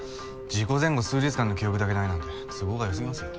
事故前後数日間の記憶だけないなんて都合が良すぎますよ。